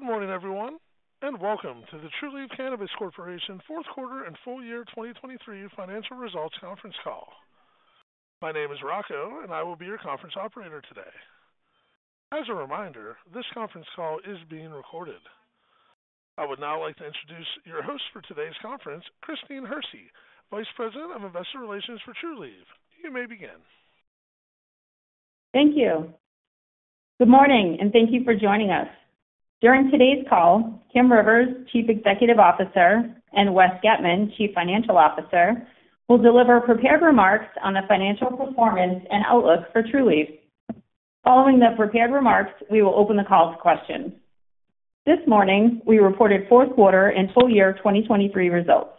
Good morning, everyone, and welcome to the Trulieve Cannabis Corp fourth quarter and full year 2023 financial results conference call. My name is Rocco, and I will be your conference operator today. As a reminder, this conference call is being recorded. I would now like to introduce your host for today's conference, Christine Hersey, Vice President of Investor Relations for Trulieve. You may begin. Thank you. Good morning and thank you for joining us. During today's call, Kim Rivers, Chief Executive Officer, and Wes Getman, Chief Financial Officer, will deliver prepared remarks on the financial performance and outlook for Trulieve. Following the prepared remarks, we will open the call to questions. This morning, we reported fourth quarter and full year 2023 results.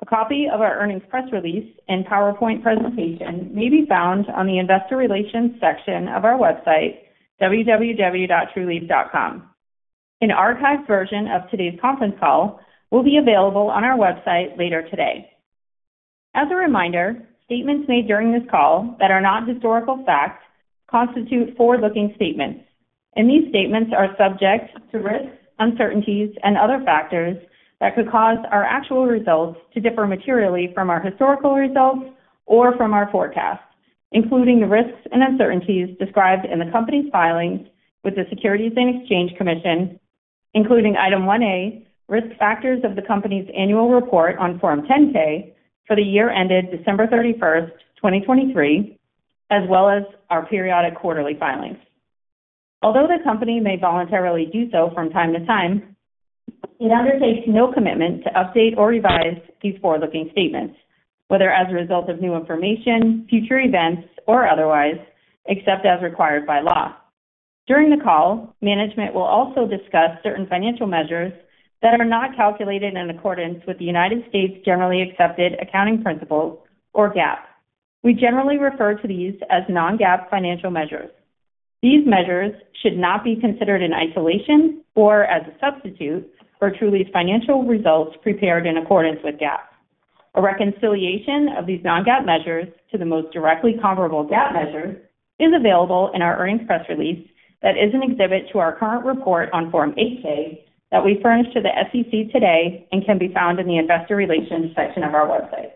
A copy of our earnings press release and PowerPoint presentation may be found on the Investor Relations section of our website, www.trulieve.com. An archived version of today's conference call will be available on our website later today. As a reminder, statements made during this call that are not historical fact constitute forward-looking statements, and these statements are subject to risks, uncertainties, and other factors that could cause our actual results to differ materially from our historical results or from our forecast, including the risks and uncertainties described in the company's filings with the Securities and Exchange Commission, including Item 1A, risk factors of the company's annual report on Form 10-K for the year ended December 31st, 2023, as well as our periodic quarterly filings. Although the company may voluntarily do so from time to time, it undertakes no commitment to update or revise these forward-looking statements, whether as a result of new information, future events, or otherwise, except as required by law. During the call, management will also discuss certain financial measures that are not calculated in accordance with the United States Generally Accepted Accounting Principles, or GAAP. We generally refer to these as non-GAAP financial measures. These measures should not be considered in isolation or as a substitute for Trulieve's financial results prepared in accordance with GAAP. A reconciliation of these non-GAAP measures to the most directly comparable GAAP measures is available in our earnings press release that is an exhibit to our current report on Form 8-K that we furnished to the SEC today and can be found in the Investor Relations section of our website.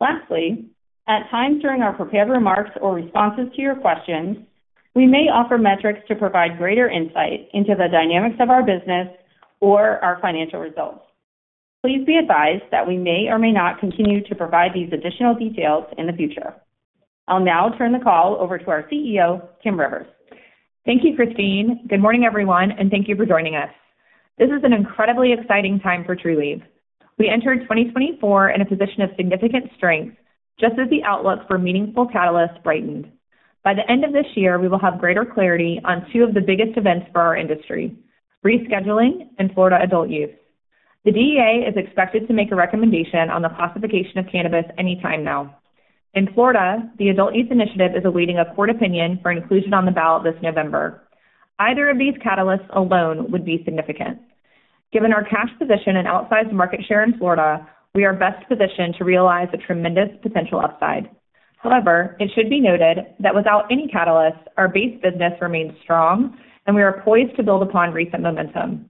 Lastly, at times during our prepared remarks or responses to your questions, we may offer metrics to provide greater insight into the dynamics of our business or our financial results. Please be advised that we may or may not continue to provide these additional details in the future. I'll now turn the call over to our CEO, Kim Rivers. Thank you, Christine. Good morning, everyone, and thank you for joining us. This is an incredibly exciting time for Trulieve. We entered 2024 in a position of significant strength, just as the outlook for meaningful catalysts brightened. By the end of this year, we will have greater clarity on two of the biggest events for our industry: rescheduling and Florida adult use. The DEA is expected to make a recommendation on the classification of cannabis any time now. In Florida, the Adult Use Initiative is awaiting a court opinion for inclusion on the ballot this November. Either of these catalysts alone would be significant. Given our cash position and outsized market share in Florida, we are best positioned to realize a tremendous potential upside. However, it should be noted that without any catalysts, our base business remains strong, and we are poised to build upon recent momentum.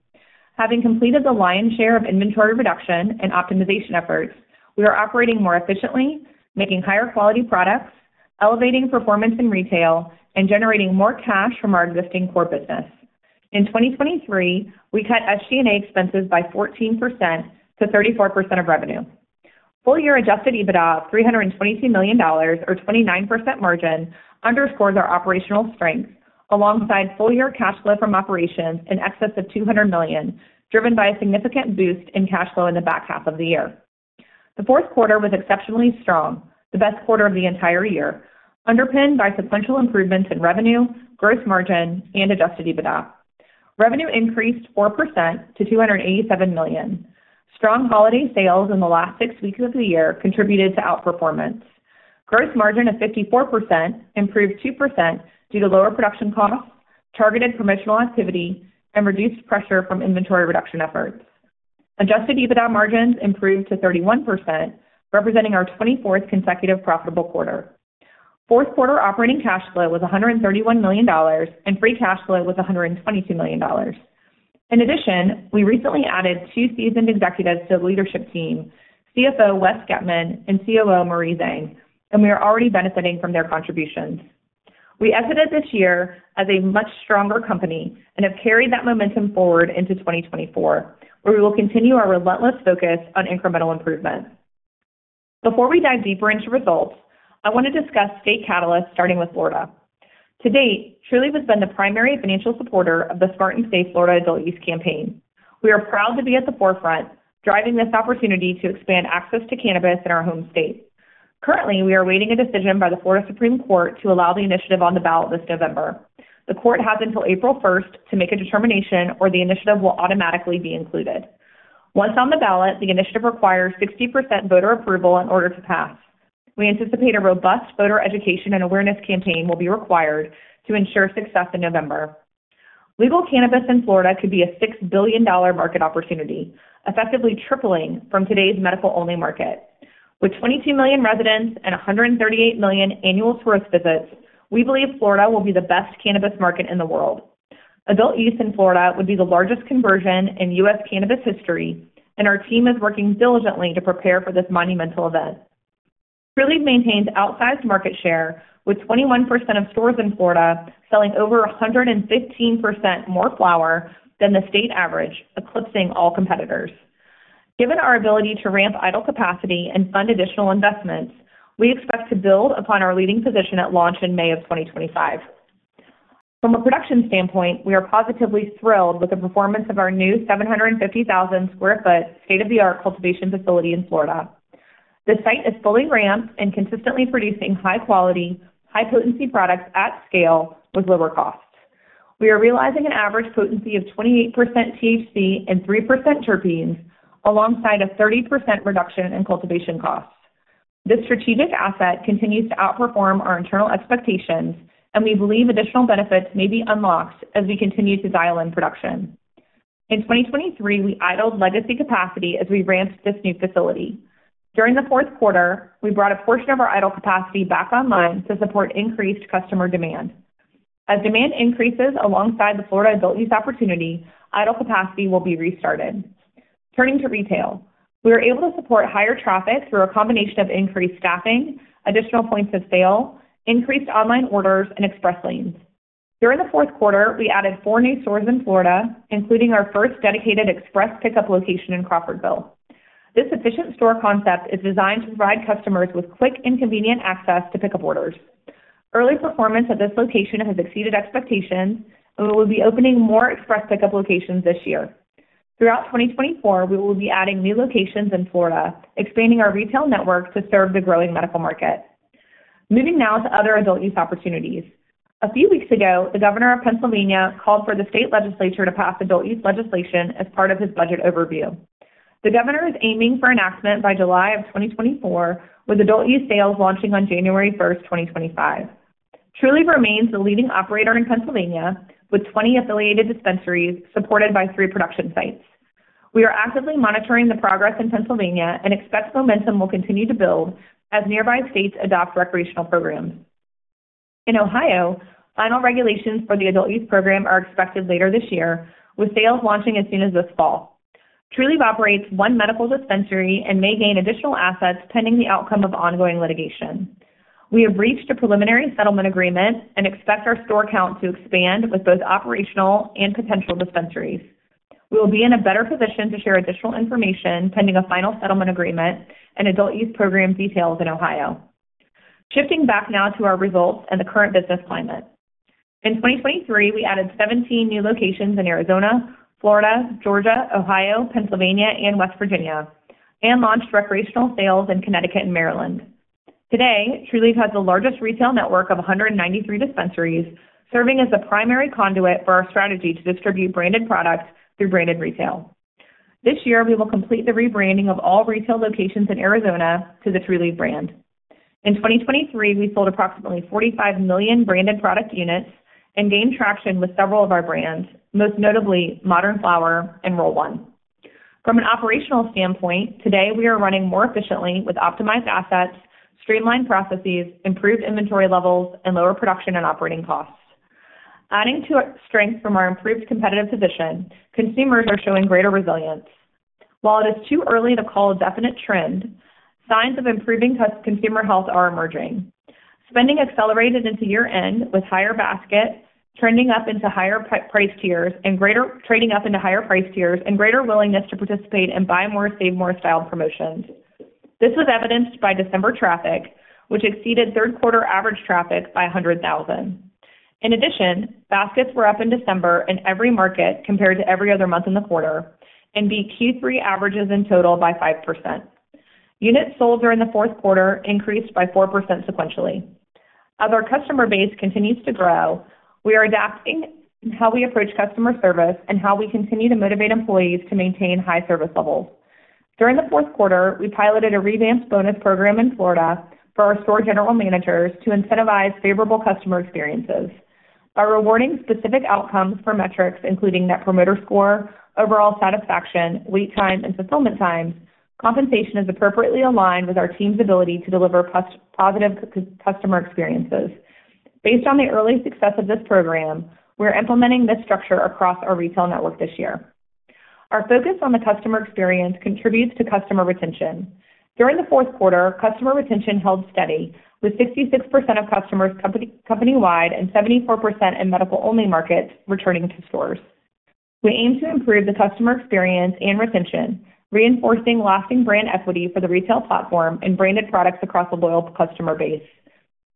Having completed the lion's share of inventory reduction and optimization efforts, we are operating more efficiently, making higher quality products, elevating performance in retail, and generating more cash from our existing core business. In 2023, we cut SG&A expenses by 14% to 34% of revenue. Full-year adjusted EBITDA of $322 million, or 29% margin, underscores our operational strengths alongside full-year cash flow from operations in excess of $200 million, driven by a significant boost in cash flow in the back half of the year. The fourth quarter was exceptionally strong, the best quarter of the entire year, underpinned by sequential improvements in revenue, gross margin, and adjusted EBITDA. Revenue increased 4% to $287 million. Strong holiday sales in the last six weeks of the year contributed to outperformance. Gross margin of 54% improved 2% due to lower production costs, targeted promotional activity, and reduced pressure from inventory reduction efforts. Adjusted EBITDA margins improved to 31%, representing our 24th consecutive profitable quarter. Fourth quarter operating cash flow was $131 million, and free cash flow was $122 million. In addition, we recently added two seasoned executives to the leadership team, CFO Wes Getman and COO Marie Zhang, and we are already benefiting from their contributions. We exited this year as a much stronger company and have carried that momentum forward into 2024, where we will continue our relentless focus on incremental improvement. Before we dive deeper into results, I want to discuss state catalysts starting with Florida. To date, Trulieve has been the primary financial supporter of the Smart & Safe Florida adult-use campaign. We are proud to be at the forefront, driving this opportunity to expand access to cannabis in our home state. Currently, we are awaiting a decision by the Florida Supreme Court to allow the initiative on the ballot this November. The court has until April 1st to make a determination, or the initiative will automatically be included. Once on the ballot, the initiative requires 60% voter approval in order to pass. We anticipate a robust voter education and awareness campaign will be required to ensure success in November. Legal cannabis in Florida could be a $6 billion market opportunity, effectively tripling from today's medical-only market. With 22 million residents and 138 million annual tourist visits, we believe Florida will be the best cannabis market in the world. Adult-use in Florida would be the largest conversion in U.S. cannabis history, and our team is working diligently to prepare for this monumental event. Trulieve maintains outsized market share, with 21% of stores in Florida selling over 115% more flower than the state average, eclipsing all competitors. Given our ability to ramp idle capacity and fund additional investments, we expect to build upon our leading position at launch in May of 2025. From a production standpoint, we are positively thrilled with the performance of our new 750,000 sq ft state-of-the-art cultivation facility in Florida. The site is fully ramped and consistently producing high-quality, high-potency products at scale with lower costs. We are realizing an average potency of 28% THC and 3% terpenes, alongside a 30% reduction in cultivation costs. This strategic asset continues to outperform our internal expectations, and we believe additional benefits may be unlocked as we continue to dial in production. In 2023, we idled legacy capacity as we ramped this new facility. During the fourth quarter, we brought a portion of our idle capacity back online to support increased customer demand. As demand increases alongside the Florida adult-use opportunity, idle capacity will be restarted. Turning to retail, we were able to support higher traffic through a combination of increased staffing, additional points of sale, increased online orders, and express lanes. During the fourth quarter, we added four new stores in Florida, including our first dedicated express pickup location in Crawfordville. This efficient store concept is designed to provide customers with quick and convenient access to pick up orders. Early performance at this location has exceeded expectations, and we will be opening more express pickup locations this year. Throughout 2024, we will be adding new locations in Florida, expanding our retail network to serve the growing medical market. Moving now to other adult-use opportunities. A few weeks ago, the Governor of Pennsylvania called for the state legislature to pass adult-use legislation as part of his budget overview. The Governor is aiming for enactment by July of 2024, with adult-use sales launching on January 1st, 2025. Trulieve remains the leading operator in Pennsylvania, with 20 affiliated dispensaries supported by three production sites. We are actively monitoring the progress in Pennsylvania and expect momentum will continue to build as nearby states adopt recreational programs. In Ohio, final regulations for the adult-use program are expected later this year, with sales launching as soon as this fall. Trulieve operates one medical dispensary and may gain additional assets pending the outcome of ongoing litigation. We have reached a preliminary settlement agreement and expect our store count to expand with both operational and potential dispensaries. We will be in a better position to share additional information pending a final settlement agreement and adult-use program details in Ohio. Shifting back now to our results and the current business climate. In 2023, we added 17 new locations in Arizona, Florida, Georgia, Ohio, Pennsylvania, and West Virginia, and launched recreational sales in Connecticut and Maryland. Today, Trulieve has the largest retail network of 193 dispensaries, serving as the primary conduit for our strategy to distribute branded product through branded retail. This year, we will complete the rebranding of all retail locations in Arizona to the Trulieve brand. In 2023, we sold approximately 45 million branded product units and gained traction with several of our brands, most notably Modern Flower and Roll One. From an operational standpoint, today we are running more efficiently with optimized assets, streamlined processes, improved inventory levels, and lower production and operating costs. Adding to strength from our improved competitive position, consumers are showing greater resilience. While it is too early to call a definite trend, signs of improving consumer health are emerging. Spending accelerated into year-end with higher baskets trading up into higher price tiers and trading up into higher price tiers and greater willingness to participate in buy more, save more style promotions. This was evidenced by December traffic, which exceeded third quarter average traffic by 100,000. In addition, baskets were up in December in every market compared to every other month in the quarter and beat Q3 averages in total by 5%. Units sold during the fourth quarter increased by 4% sequentially. As our customer base continues to grow, we are adapting how we approach customer service and how we continue to motivate employees to maintain high service levels. During the fourth quarter, we piloted a revamped bonus program in Florida for our store general managers to incentivize favorable customer experiences. By rewarding specific outcomes for metrics, including Net Promoter Score, overall satisfaction, wait time, and fulfillment times, compensation is appropriately aligned with our team's ability to deliver positive customer experiences. Based on the early success of this program, we are implementing this structure across our retail network this year. Our focus on the customer experience contributes to customer retention. During the fourth quarter, customer retention held steady, with 66% of customers company-wide and 74% in medical-only markets returning to stores. We aim to improve the customer experience and retention, reinforcing lasting brand equity for the retail platform and branded products across a loyal customer base.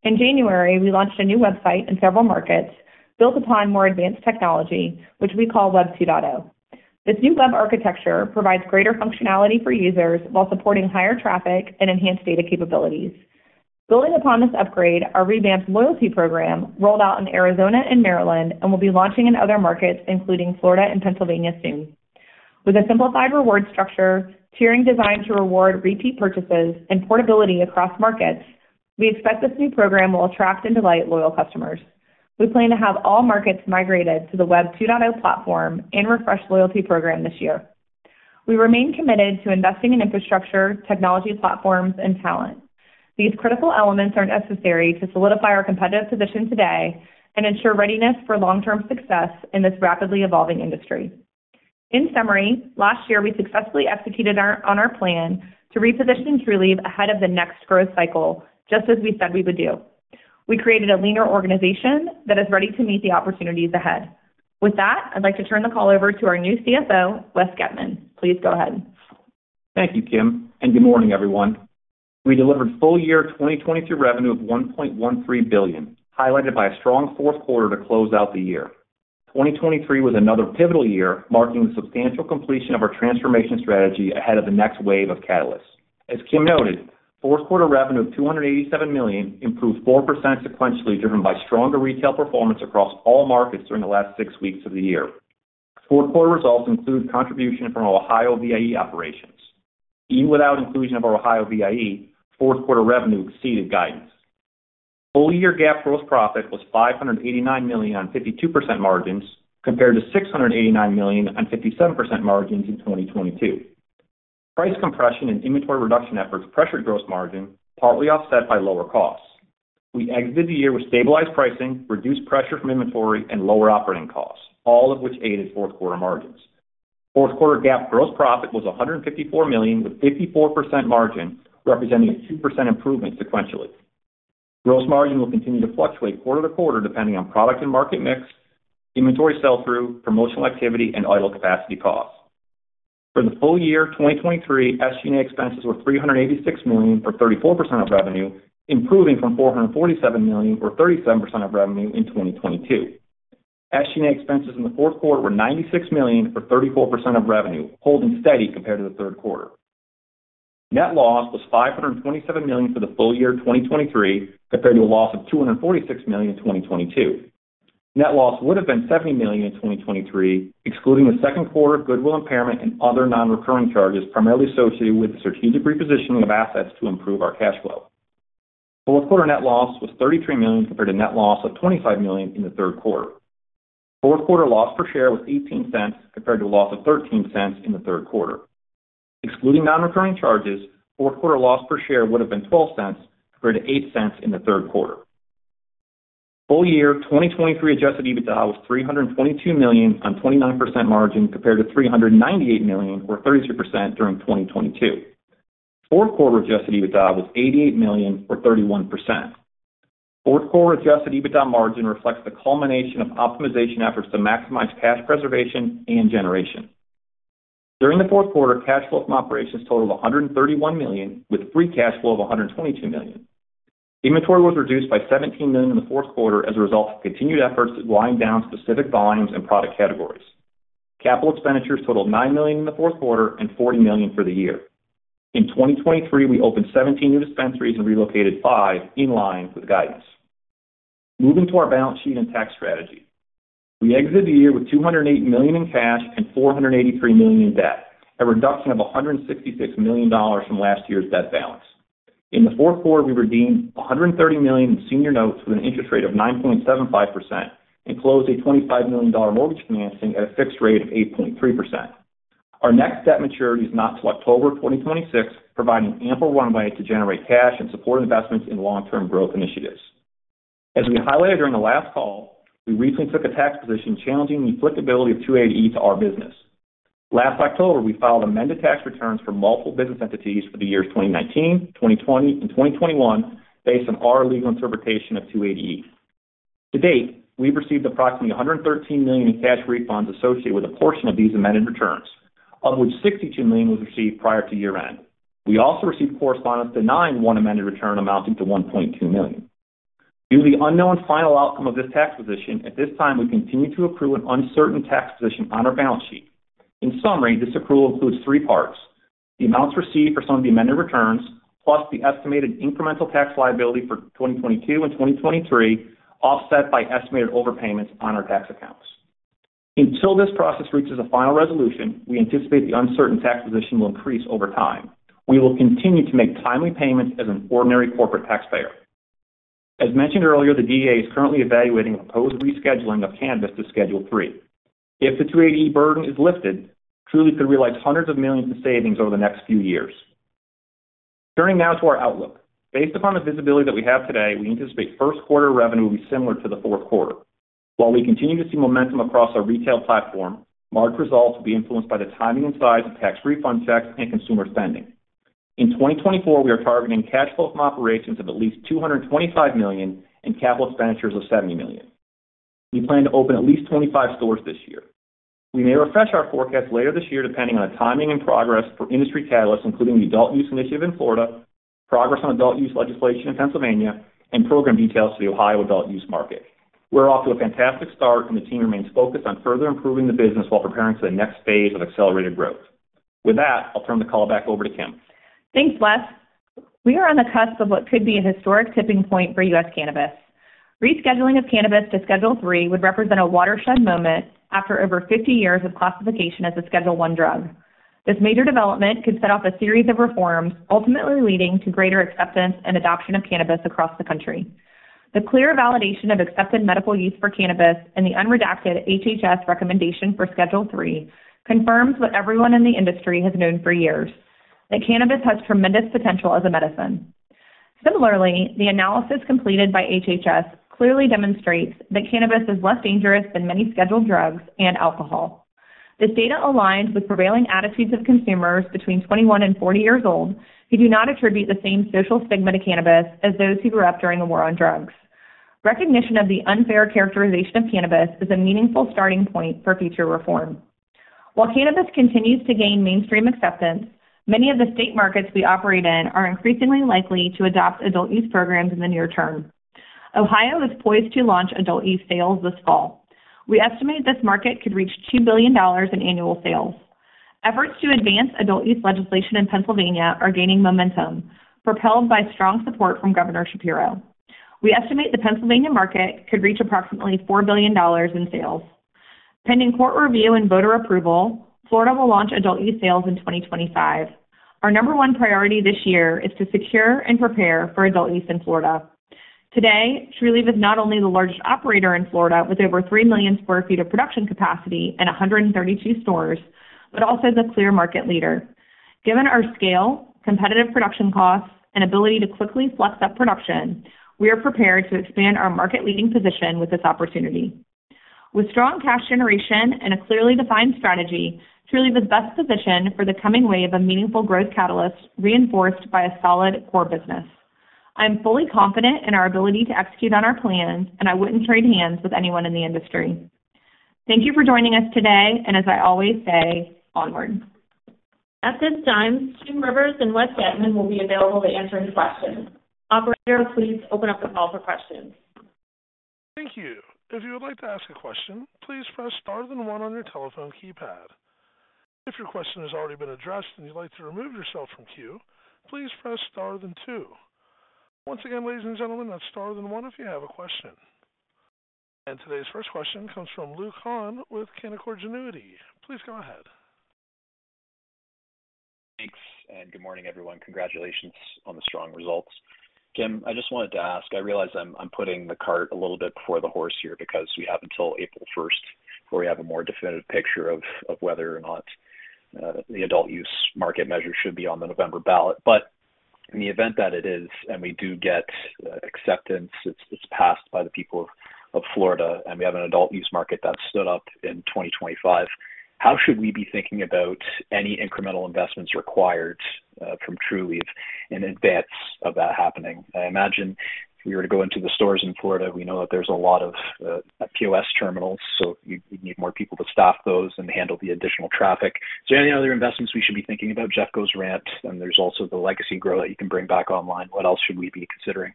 In January, we launched a new website in several markets built upon more advanced technology, which we call Web 2.0. This new web architecture provides greater functionality for users while supporting higher traffic and enhanced data capabilities. Building upon this upgrade, our revamped loyalty program rolled out in Arizona and Maryland and will be launching in other markets, including Florida and Pennsylvania, soon. With a simplified reward structure, tiering designed to reward repeat purchases and portability across markets, we expect this new program will attract and delight loyal customers. We plan to have all markets migrated to the Web 2.0 platform and refresh loyalty program this year. We remain committed to investing in infrastructure, technology platforms, and talent. These critical elements are necessary to solidify our competitive position today and ensure readiness for long-term success in this rapidly evolving industry. In summary, last year we successfully executed on our plan to reposition Trulieve ahead of the next growth cycle, just as we said we would do. We created a leaner organization that is ready to meet the opportunities ahead. With that, I'd like to turn the call over to our new CFO, Wes Getman. Please go ahead. Thank you, Kim, and good morning, everyone. We delivered full-year 2023 revenue of $1.13 billion, highlighted by a strong fourth quarter to close out the year. 2023 was another pivotal year, marking the substantial completion of our transformation strategy ahead of the next wave of catalysts. As Kim noted, fourth quarter revenue of $287 million improved 4% sequentially, driven by stronger retail performance across all markets during the last six weeks of the year. Fourth quarter results include contribution from Ohio VIE operations. Even without inclusion of our Ohio VIE, fourth quarter revenue exceeded guidance. Full-year GAAP gross profit was $589 million on 52% margins compared to $689 million on 57% margins in 2022. Price compression and inventory reduction efforts pressured gross margin, partly offset by lower costs. We exited the year with stabilized pricing, reduced pressure from inventory, and lower operating costs, all of which aided fourth quarter margins. Fourth quarter GAAP gross profit was $154 million with 54% margin, representing a 2% improvement sequentially. Gross margin will continue to fluctuate quarter to quarter depending on product and market mix, inventory sell-through, promotional activity, and idle capacity costs. For the full year 2023, SG&A expenses were $386 million for 34% of revenue, improving from $447 million or 37% of revenue in 2022. SG&A expenses in the fourth quarter were $96 million for 34% of revenue, holding steady compared to the third quarter. Net loss was $527 million for the full year 2023 compared to a loss of $246 million in 2022. Net loss would have been $70 million in 2023, excluding the second quarter goodwill impairment and other non-recurring charges primarily associated with the strategic repositioning of assets to improve our cash flow. Fourth quarter net loss was $33 million compared to net loss of $25 million in the third quarter. Fourth quarter loss per share was $0.18 compared to a loss of $0.13 in the third quarter. Excluding non-recurring charges, fourth quarter loss per share would have been $0.12 compared to $0.08 in the third quarter. Full year 2023 adjusted EBITDA was $322 million on 29% margin compared to $398 million or 33% during 2022. Fourth quarter adjusted EBITDA was $88 million or 31%. Fourth quarter adjusted EBITDA margin reflects the culmination of optimization efforts to maximize cash preservation and generation. During the fourth quarter, cash flow from operations totaled $131 million with free cash flow of $122 million. Inventory was reduced by $17 million in the fourth quarter as a result of continued efforts to wind down specific volumes and product categories. Capital expenditures totaled $9 million in the fourth quarter and $40 million for the year. In 2023, we opened 17 new dispensaries and relocated five in line with guidance. Moving to our balance sheet and tax strategy. We exited the year with $208 million in cash and $483 million in debt, a reduction of $166 million from last year's debt balance. In the fourth quarter, we redeemed $130 million in senior notes with an interest rate of 9.75% and closed a $25 million mortgage financing at a fixed rate of 8.3%. Our next debt maturity is not until October 2026, providing ample runway to generate cash and support investments in long-term growth initiatives. As we highlighted during the last call, we recently took a tax position challenging the applicability of 280E to our business. Last October, we filed amended tax returns for multiple business entities for the years 2019, 2020, and 2021 based on our legal interpretation of 280E. To date, we've received approximately $113 million in cash refunds associated with a portion of these amended returns, of which $62 million was received prior to year-end. We also received correspondence denying one amended return amounting to $1.2 million. Due to the unknown final outcome of this tax position, at this time, we continue to accrue an uncertain tax position on our balance sheet. In summary, this accrual includes three parts: the amounts received for some of the amended returns, plus the estimated incremental tax liability for 2022 and 2023, offset by estimated overpayments on our tax accounts. Until this process reaches a final resolution, we anticipate the uncertain tax position will increase over time. We will continue to make timely payments as an ordinary corporate taxpayer. As mentioned earlier, the DEA is currently evaluating a proposed rescheduling of cannabis to Schedule III. If the 280E burden is lifted, Trulieve could realize hundreds of millions in savings over the next few years. Turning now to our outlook. Based upon the visibility that we have today, we anticipate first quarter revenue will be similar to the fourth quarter. While we continue to see momentum across our retail platform, market results will be influenced by the timing and size of tax refund checks and consumer spending. In 2024, we are targeting cash flow from operations of at least $225 million and capital expenditures of $70 million. We plan to open at least 25 stores this year. We may refresh our forecasts later this year depending on the timing and progress for industry catalysts, including the adult-use initiative in Florida, progress on adult-use legislation in Pennsylvania, and program details for the Ohio adult-use market. We're off to a fantastic start, and the team remains focused on further improving the business while preparing for the next phase of accelerated growth. With that, I'll turn the call back over to Kim. Thanks, Wes. We are on the cusp of what could be a historic tipping point for U.S. cannabis. Rescheduling of cannabis to Schedule III would represent a watershed moment after over 50 years of classification as a Schedule I drug. This major development could set off a series of reforms, ultimately leading to greater acceptance and adoption of cannabis across the country. The clear validation of accepted medical use for cannabis and the unredacted HHS recommendation for Schedule III confirms what everyone in the industry has known for years: that cannabis has tremendous potential as a medicine. Similarly, the analysis completed by HHS clearly demonstrates that cannabis is less dangerous than many scheduled drugs and alcohol. This data, aligned with prevailing attitudes of consumers between 21 and 40 years old, who do not attribute the same social stigma to cannabis as those who grew up during a war on drugs. Recognition of the unfair characterization of cannabis is a meaningful starting point for future reform. While cannabis continues to gain mainstream acceptance, many of the state markets we operate in are increasingly likely to adopt adult-use programs in the near term. Ohio is poised to launch adult-use sales this fall. We estimate this market could reach $2 billion in annual sales. Efforts to advance adult-use legislation in Pennsylvania are gaining momentum, propelled by strong support from Governor Shapiro. We estimate the Pennsylvania market could reach approximately $4 billion in sales. Pending court review and voter approval, Florida will launch adult-use sales in 2025. Our number one priority this year is to secure and prepare for adult-use in Florida. Today, Trulieve is not only the largest operator in Florida with over 3 million sq ft of production capacity and 132 stores but also the clear market leader. Given our scale, competitive production costs, and ability to quickly flex up production, we are prepared to expand our market-leading position with this opportunity. With strong cash generation and a clearly defined strategy, Trulieve is best positioned for the coming wave of a meaningful growth catalyst reinforced by a solid core business. I am fully confident in our ability to execute on our plans, and I wouldn't trade hands with anyone in the industry. Thank you for joining us today, and as I always say, onward. At this time, Kim Rivers and Wes Getman will be available to answer any questions. Operator, please open up the call for questions. Thank you. If you would like to ask a question, please press star, then one on your telephone keypad. If your question has already been addressed and you'd like to remove yourself from the queue, please press star, then two. Once again, ladies and gentlemen, that's star, then one if you have a question. Today's first question comes from Luke Hannan with Canaccord Genuity. Please go ahead. Thanks, and good morning, everyone. Congratulations on the strong results. Kim, I just wanted to ask. I realize I'm putting the cart a little bit before the horse here because we have until April 1st before we have a more definitive picture of whether or not the adult-use market measure should be on the November ballot. But in the event that it is and we do get acceptance, it's passed by the people of Florida, and we have an adult-use market that stood up in 2025, how should we be thinking about any incremental investments required from Trulieve in advance of that happening? I imagine if we were to go into the stores in Florida, we know that there's a lot of POS terminals, so you'd need more people to staff those and handle the additional traffic. Is there any other investments we should be thinking about JeffCo's ramp, and there's also the legacy growth that you can bring back online. What else should we be considering?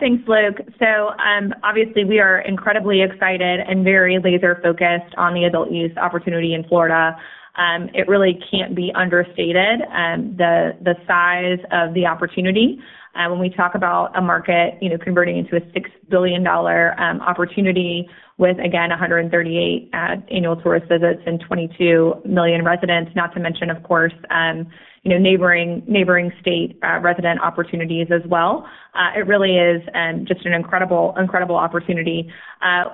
Thanks, Luke. So obviously, we are incredibly excited and very laser-focused on the adult-use opportunity in Florida. It really can't be understated, the size of the opportunity. When we talk about a market converting into a $6 billion opportunity with, again, 138 annual tourist visits and 22 million residents, not to mention, of course, neighboring state resident opportunities as well, it really is just an incredible opportunity.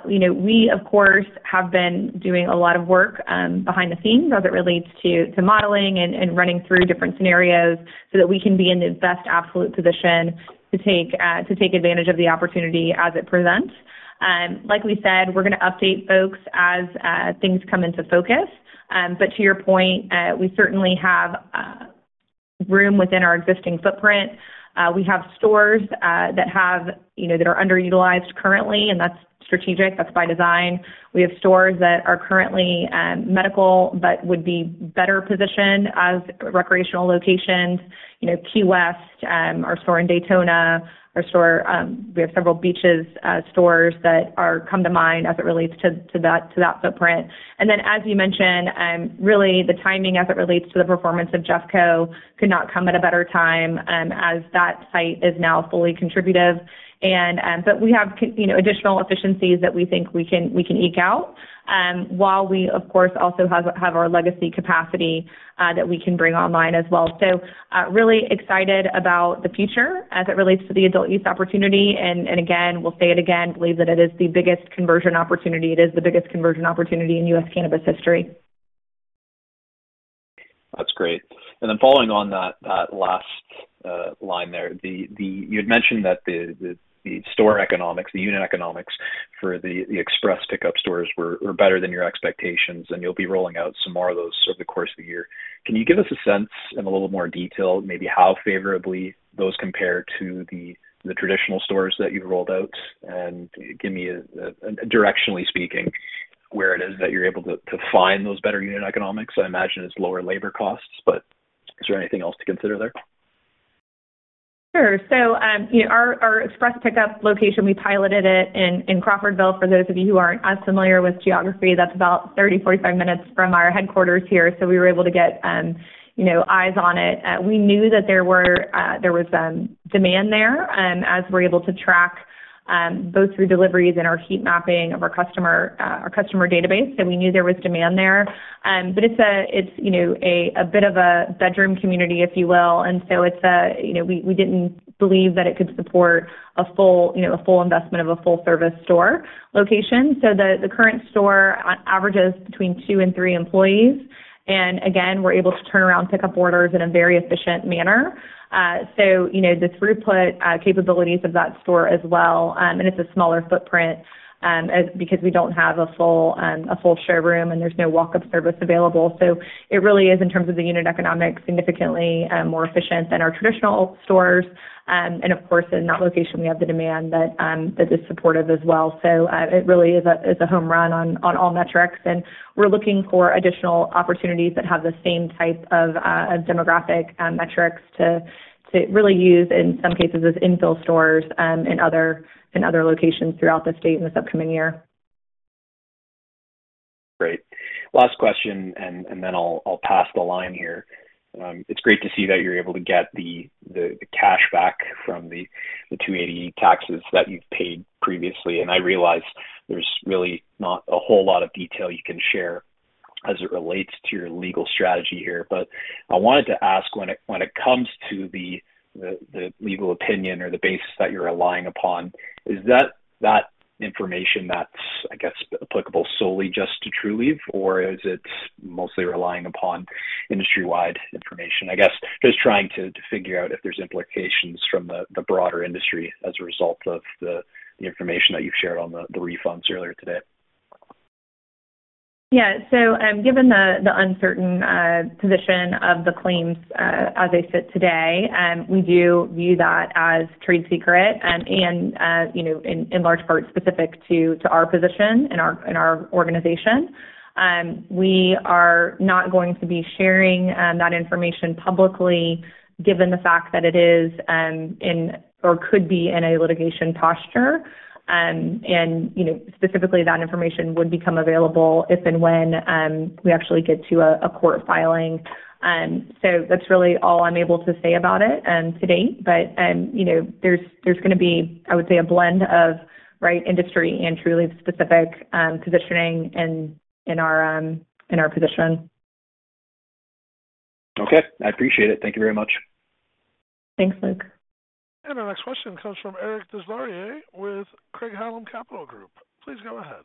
We, of course, have been doing a lot of work behind the scenes as it relates to modeling and running through different scenarios so that we can be in the best absolute position to take advantage of the opportunity as it presents. Like we said, we're going to update folks as things come into focus. But to your point, we certainly have room within our existing footprint. We have stores that are underutilized currently, and that's strategic. That's by design. We have stores that are currently medical but would be better positioned as recreational locations. Key West, our store in Daytona, our stores—we have several beach stores that come to mind as it relates to that footprint. And then, as you mentioned, really, the timing as it relates to the performance of JeffCo could not come at a better time as that site is now fully contributive. But we have additional efficiencies that we think we can eke out while we, of course, also have our legacy capacity that we can bring online as well. So really excited about the future as it relates to the adult-use opportunity. And again, we'll say it again, believe that it is the biggest conversion opportunity. It is the biggest conversion opportunity in U.S. cannabis history. That's great. And then following on that last line there, you had mentioned that the store economics, the unit economics for the express pickup stores were better than your expectations, and you'll be rolling out some more of those over the course of the year. Can you give us a sense in a little more detail, maybe how favorably those compare to the traditional stores that you've rolled out? And give me, directionally speaking, where it is that you're able to find those better unit economics. I imagine it's lower labor costs, but is there anything else to consider there? Sure. So our express pickup location, we piloted it in Crawfordville. For those of you who aren't as familiar with geography, that's about 30-45 minutes from our headquarters here. So we were able to get eyes on it. We knew that there was demand there as we're able to track both through deliveries and our heat mapping of our customer database. So we knew there was demand there. But it's a bit of a bedroom community, if you will. And so we didn't believe that it could support a full investment of a full-service store location. So the current store averages between two and three employees. And again, we're able to turn around pickup orders in a very efficient manner. So the throughput capabilities of that store as well, and it's a smaller footprint because we don't have a full showroom and there's no walk-up service available. It really is, in terms of the unit economics, significantly more efficient than our traditional stores. Of course, in that location, we have the demand that is supportive as well. It really is a home run on all metrics. We're looking for additional opportunities that have the same type of demographic metrics to really use, in some cases, as infill stores in other locations throughout the state in the upcoming year. Great. Last question, and then I'll pass the line here. It's great to see that you're able to get the cash back from the 280E taxes that you've paid previously. I realize there's really not a whole lot of detail you can share as it relates to your legal strategy here. I wanted to ask, when it comes to the legal opinion or the basis that you're relying upon, is that information that's, I guess, applicable solely just to Trulieve, or is it mostly relying upon industry-wide information? I guess just trying to figure out if there's implications from the broader industry as a result of the information that you've shared on the refunds earlier today. Yeah. So given the uncertain position of the claims as they sit today, we do view that as trade secret and in large part specific to our position in our organization. We are not going to be sharing that information publicly given the fact that it is or could be in a litigation posture. And specifically, that information would become available if and when we actually get to a court filing. So that's really all I'm able to say about it to date. But there's going to be, I would say, a blend of industry and Trulieve-specific positioning in our position. Okay. I appreciate it. Thank you very much. Thanks, Luke. Our next question comes from Eric Des Lauriers with Craig-Hallum Capital Group. Please go ahead.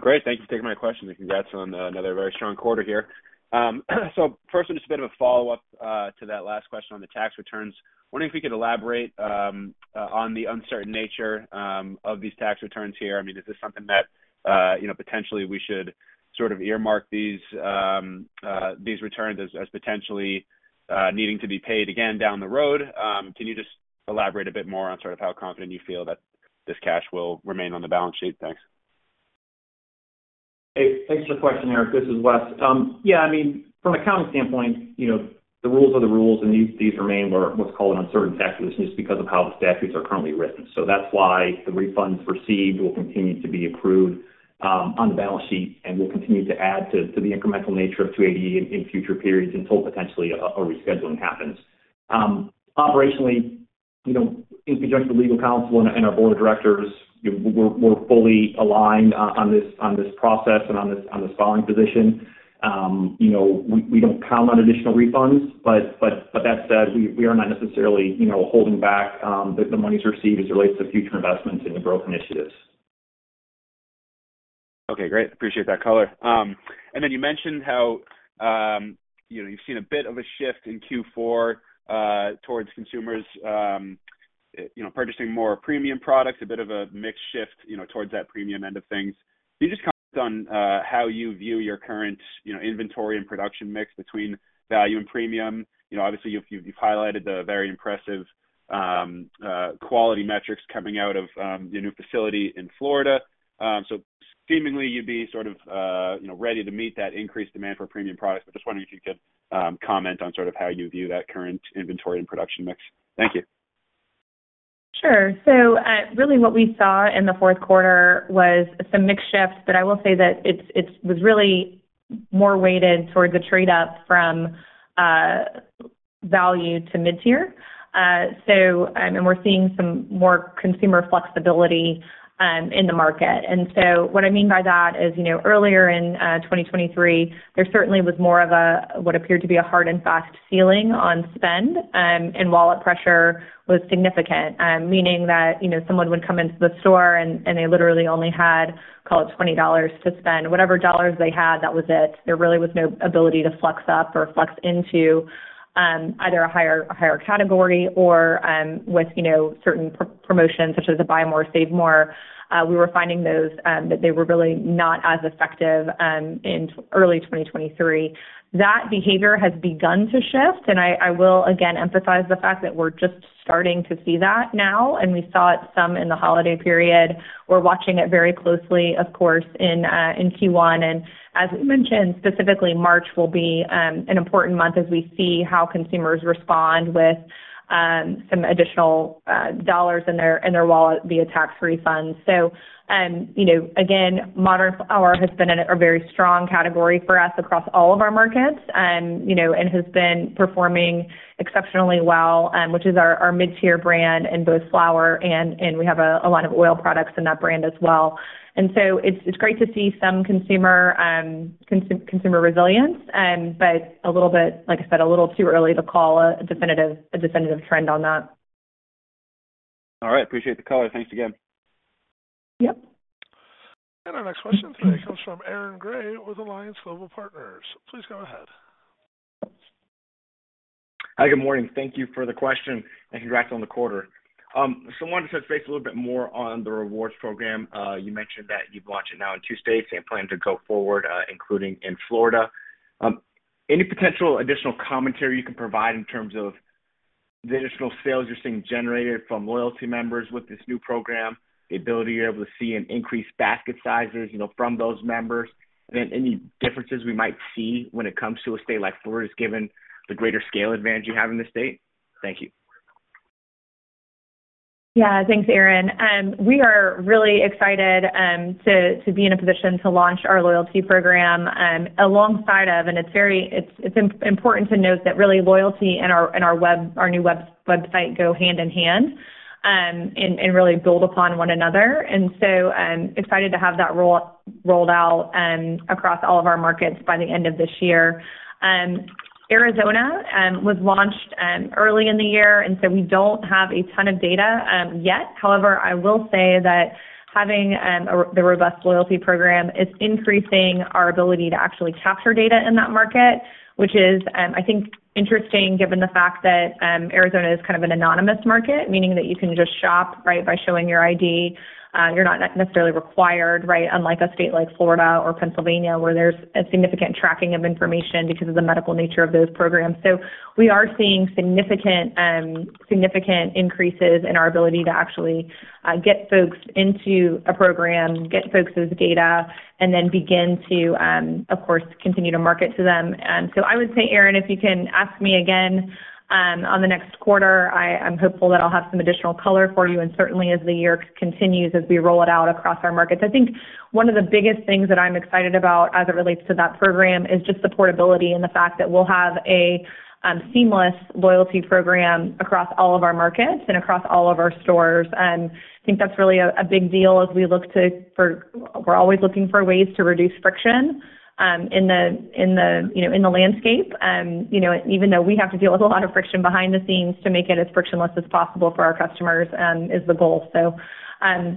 Great. Thank you for taking my question, and congrats on another very strong quarter here. First, just a bit of a follow-up to that last question on the tax returns. Wondering if we could elaborate on the uncertain nature of these tax returns here. I mean, is this something that potentially we should sort of earmark these returns as potentially needing to be paid again down the road? Can you just elaborate a bit more on sort of how confident you feel that this cash will remain on the balance sheet? Thanks. Hey, thanks for the question, Eric. This is Wes. Yeah, I mean, from an accounting standpoint, the rules are the rules, and these remain what's called an uncertain tax position just because of how the statutes are currently written. So that's why the refunds received will continue to be accrued on the balance sheet, and we'll continue to add to the incremental nature of 280E in future periods until potentially a rescheduling happens. Operationally, in conjunction with legal counsel and our Board of Directors, we're fully aligned on this process and on this filing position. We don't count on additional refunds. But that said, we are not necessarily holding back the monies received as it relates to future investments in the growth initiatives. Okay. Great. Appreciate that color. And then you mentioned how you've seen a bit of a shift in Q4 towards consumers purchasing more premium products, a bit of a mix shift towards that premium end of things. Can you just comment on how you view your current inventory and production mix between value and premium? Obviously, you've highlighted the very impressive quality metrics coming out of your new facility in Florida. So seemingly, you'd be sort of ready to meet that increased demand for premium products. But just wondering if you could comment on sort of how you view that current inventory and production mix. Thank you. Sure. So really, what we saw in the fourth quarter was some mix shift, but I will say that it was really more weighted towards a trade-up from value to mid-tier. And we're seeing some more consumer flexibility in the market. And so what I mean by that is, earlier in 2023, there certainly was more of what appeared to be a hard and fast ceiling on spend, and wallet pressure was significant, meaning that someone would come into the store and they literally only had, call it, $20 to spend. Whatever dollars they had, that was it. There really was no ability to flex up or flex into either a higher category or with certain promotions such as a buy more, save more. We were finding that they were really not as effective in early 2023. That behavior has begun to shift, and I will, again, emphasize the fact that we're just starting to see that now. We saw it some in the holiday period. We're watching it very closely, of course, in Q1. As we mentioned, specifically, March will be an important month as we see how consumers respond with some additional dollars in their wallet via tax refunds. So again, Modern Flower has been a very strong category for us across all of our markets and has been performing exceptionally well, which is our mid-tier brand in both flower, and we have a lot of oil products in that brand as well. So it's great to see some consumer resilience, but like I said, a little too early to call a definitive trend on that. All right. Appreciate the color. Thanks again. Yep. Our next question today comes from Aaron Grey with Alliance Global Partners. Please go ahead. Hi, good morning. Thank you for the question, and congrats on the quarter. So I wanted to touch base a little bit more on the rewards program. You mentioned that you've launched it now in two states and plan to go forward, including in Florida. Any potential additional commentary you can provide in terms of the additional sales you're seeing generated from loyalty members with this new program, the ability you're able to see an increased basket sizes from those members, and then any differences we might see when it comes to a state like Florida's given the greater scale advantage you have in the state? Thank you. Yeah. Thanks, Aaron. We are really excited to be in a position to launch our loyalty program alongside of and it's important to note that really loyalty and our new website go hand in hand and really build upon one another. So excited to have that rolled out across all of our markets by the end of this year. Arizona was launched early in the year, and so we don't have a ton of data yet. However, I will say that having the robust loyalty program is increasing our ability to actually capture data in that market, which is, I think, interesting given the fact that Arizona is kind of an anonymous market, meaning that you can just shop, right, by showing your ID. You're not necessarily required, right, unlike a state like Florida or Pennsylvania where there's significant tracking of information because of the medical nature of those programs. We are seeing significant increases in our ability to actually get folks into a program, get folks' data, and then begin to, of course, continue to market to them. I would say, Aaron, if you can ask me again on the next quarter, I'm hopeful that I'll have some additional color for you. Certainly, as the year continues, as we roll it out across our markets, I think one of the biggest things that I'm excited about as it relates to that program is just the portability and the fact that we'll have a seamless loyalty program across all of our markets and across all of our stores. I think that's really a big deal as we look to for we're always looking for ways to reduce friction in the landscape. Even though we have to deal with a lot of friction behind the scenes to make it as frictionless as possible for our customers, is the goal. So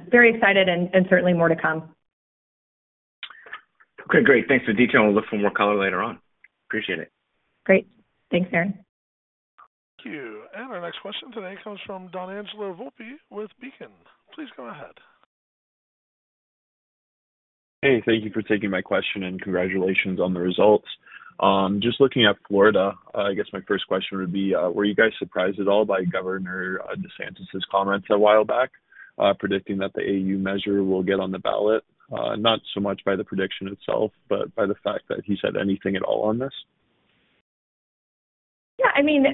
very excited and certainly more to come. Okay. Great. Thanks for the detail. We'll look for more color later on. Appreciate it. Great. Thanks, Aaron. Thank you. Our next question today comes from Donangelo Volpe with Beacon. Please go ahead. Hey, thank you for taking my question, and congratulations on the results. Just looking at Florida, I guess my first question would be, were you guys surprised at all by Governor DeSantis's comments a while back predicting that the AU measure will get on the ballot? Not so much by the prediction itself, but by the fact that he said anything at all on this? Yeah. I mean,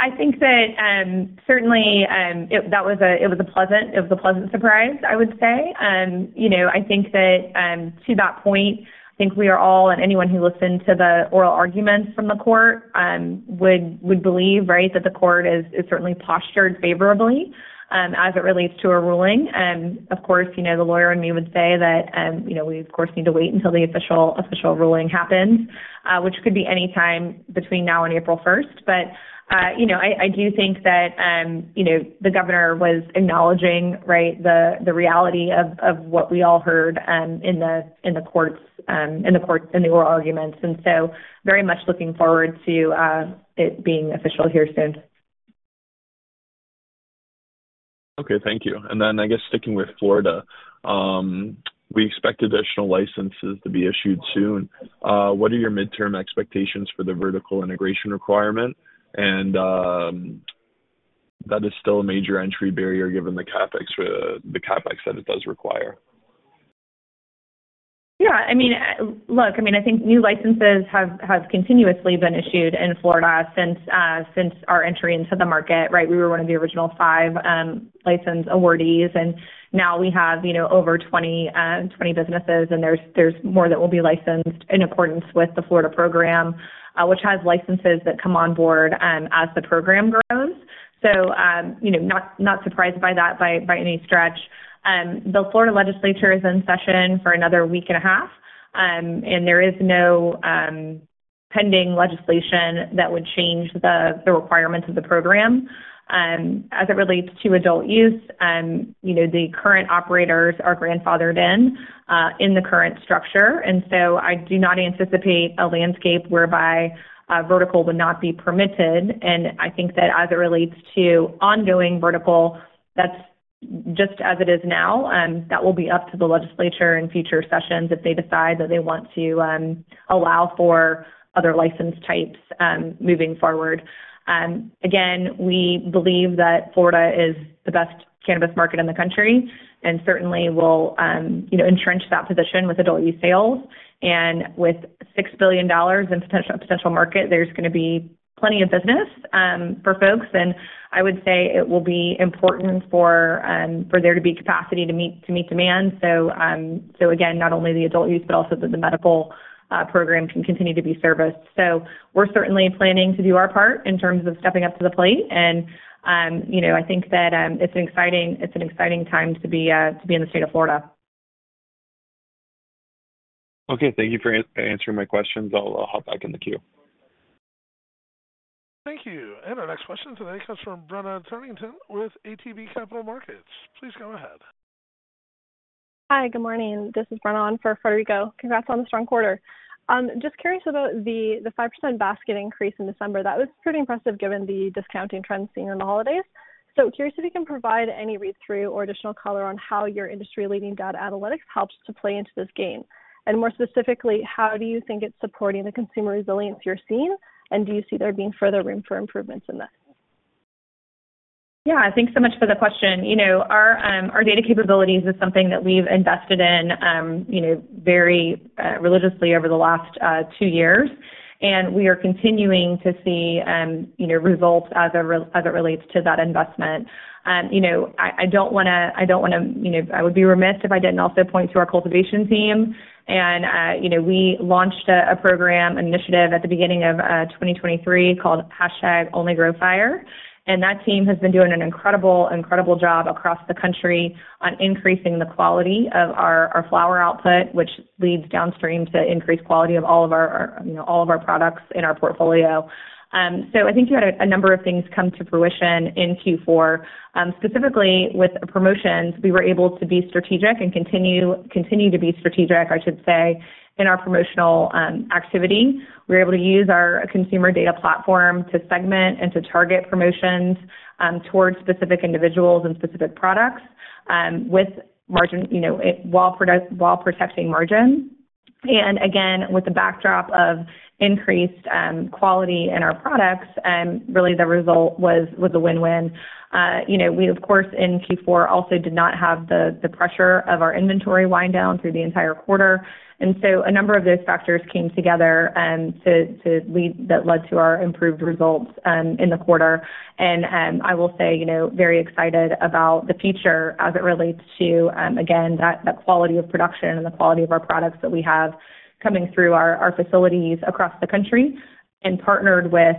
I think that certainly, that was a pleasant surprise, I would say. I think that to that point, I think we are all and anyone who listened to the oral arguments from the court would believe, right, that the court is certainly postured favorably as it relates to a ruling. Of course, the lawyer and me would say that we, of course, need to wait until the official ruling happens, which could be anytime between now and April 1st. But I do think that the governor was acknowledging, right, the reality of what we all heard in the courts in the oral arguments. And so very much looking forward to it being official here soon. Okay. Thank you. Then I guess sticking with Florida, we expect additional licenses to be issued soon. What are your midterm expectations for the vertical integration requirement? And that is still a major entry barrier given the CapEx that it does require. Yeah. I mean, look, I mean, I think new licenses have continuously been issued in Florida since our entry into the market, right? We were one of the original five license awardees, and now we have over 20 businesses, and there's more that will be licensed in accordance with the Florida program, which has licenses that come on board as the program grows. So not surprised by that by any stretch. The Florida legislature is in session for another week and a half, and there is no pending legislation that would change the requirements of the program. As it relates to adult use, the current operators are grandfathered in the current structure. And so I do not anticipate a landscape whereby vertical would not be permitted. And I think that as it relates to ongoing vertical, that's just as it is now. That will be up to the legislature in future sessions if they decide that they want to allow for other license types moving forward. Again, we believe that Florida is the best cannabis market in the country and certainly will entrench that position with adult-use sales. With $6 billion in potential market, there's going to be plenty of business for folks. I would say it will be important for there to be capacity to meet demand. Again, not only the adult use, but also that the medical program can continue to be serviced. We're certainly planning to do our part in terms of stepping up to the plate. I think that it's an exciting time to be in the state of Florida. Okay. Thank you for answering my questions. I'll hop back in the queue. Thank you. Our next question today comes from Brenna Cunnington with ATB Capital Markets. Please go ahead. Hi. Good morning. This is Brenna on for Frederico. Congrats on the strong quarter. Just curious about the 5% basket increase in December. That was pretty impressive given the discounting trend seen in the holidays. So curious if you can provide any read-through or additional color on how your industry-leading data analytics helps to play into this gain. And more specifically, how do you think it's supporting the consumer resilience you're seeing, and do you see there being further room for improvements in this? Yeah. Thanks so much for the question. Our data capabilities is something that we've invested in very religiously over the last two years, and we are continuing to see results as it relates to that investment. I would be remiss if I didn't also point to our cultivation team. And we launched a program, an initiative at the beginning of 2023 called #OnlyGrowFire. And that team has been doing an incredible, incredible job across the country on increasing the quality of our flower output, which leads downstream to increased quality of all of our products in our portfolio. So I think you had a number of things come to fruition in Q4. Specifically, with promotions, we were able to be strategic and continue to be strategic, I should say, in our promotional activity. We were able to use our consumer data platform to segment and to target promotions towards specific individuals and specific products while protecting margins. And again, with the backdrop of increased quality in our products, really, the result was a win-win. We, of course, in Q4 also did not have the pressure of our inventory wind down through the entire quarter. And so a number of those factors came together that led to our improved results in the quarter. And I will say very excited about the future as it relates to, again, that quality of production and the quality of our products that we have coming through our facilities across the country and partnered with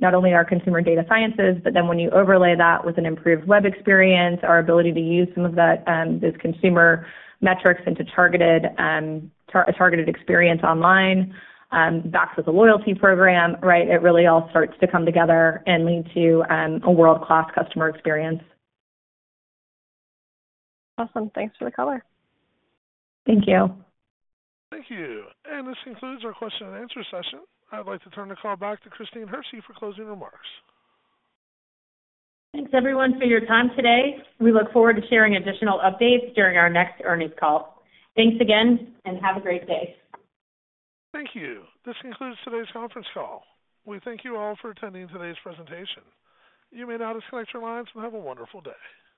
not only our consumer data sciences, but then when you overlay that with an improved web experience, our ability to use some of those consumer metrics into targeted experience online backed with a loyalty program, right. It really all starts to come together and lead to a world-class customer experience. Awesome. Thanks for the color. Thank you. Thank you. This concludes our question-and-answer session. I'd like to turn the call back to Christine Hersey for closing remarks. Thanks, everyone, for your time today. We look forward to sharing additional updates during our next earnings call. Thanks again and have a great day. Thank you. This concludes today's conference call. We thank you all for attending today's presentation. You may now disconnect your lines and have a wonderful day.